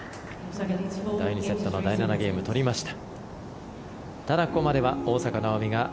第２セットの第７ゲーム取りました。